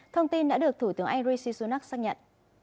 thông tin đã được thủ tướng anh rishi sunak xác nhận